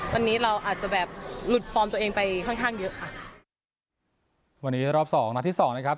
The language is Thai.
วันนี้เราอาจจะแบบหลุดฟอร์มตัวเองไปค่อนข้างเยอะค่ะวันนี้รอบสองนัดที่สองนะครับ